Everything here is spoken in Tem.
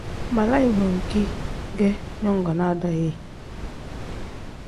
Balaayi wenki ge nyongonaa daa ye ?